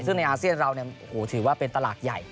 ซึ่งในอาเซียนเราถือว่าเป็นตลาดใหญ่